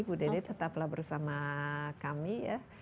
bu dede tetaplah bersama kami ya